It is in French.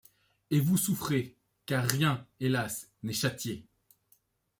Et vous souffrez. Car rien, hélas, n’est châtié